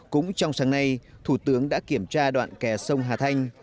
cũng trong sáng nay thủ tướng đã kiểm tra đoạn kè sông hà thanh